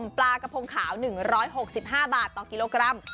ปลากระพงขาว๑๖๕บาทต่อกิโลกรัม